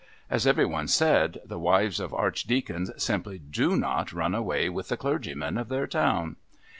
As every one said, the wives of Archdeacons simply did not run away with the clergymen of their town.